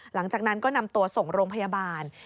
หลังจากนั้นก็นำตัวส่งโรงพยาบาล